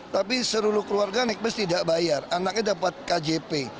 tapi seluruh keluarga nekmes tidak bayar anaknya dapat kjp